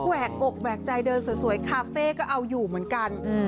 แวกอกแหวกใจเดินสวยคาเฟ่ก็เอาอยู่เหมือนกัน